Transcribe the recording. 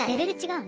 うん。